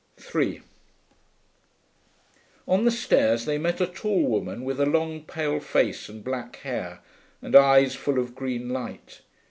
3 On the stairs they met a tall woman with a long pale face and black hair, and eyes full of green light.